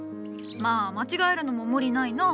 まぁ間違えるのも無理ないの。